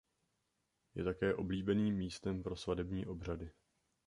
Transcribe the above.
Je také oblíbeným místem pro svatební obřady.